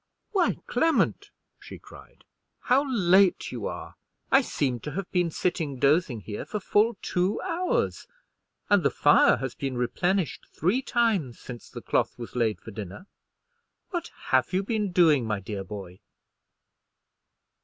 "Why, Clement," she cried, "how late you are! I seem to have been sitting dozing here for full two hours; and the fire has been replenished three times since the cloth was laid for dinner. What have you been doing, my dear boy?"